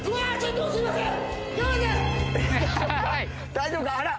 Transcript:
大丈夫か？